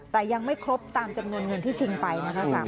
แต่ยังไม่ครบตามจำนวนเงินที่ชิงไปนะคะ